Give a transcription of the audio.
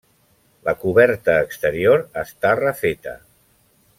La coberta exterior està refeta.